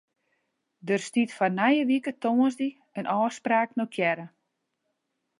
Der stiet foar nije wike tongersdei in ôfspraak notearre.